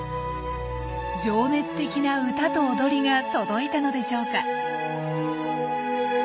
情熱的な歌と踊りが届いたのでしょうか。